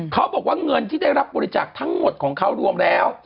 เขาบอกว่าเงินที่ได้รับบริจาคทั้งหมดของเขารวมแล้ว